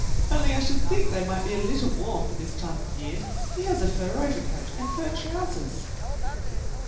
"Only I should think they might be a little warm for this time of year. He has a fur overcoat and fur trousers."